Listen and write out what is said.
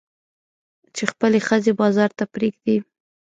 چې خپلې ښځې بازار ته پرېږدي.